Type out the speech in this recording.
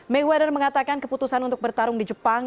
mayweather mengatakan keputusan untuk bertarung di jepang